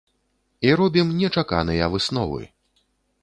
І робім нечаканыя высновы!